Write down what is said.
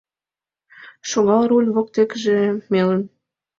Шогал руль воктекыже мелын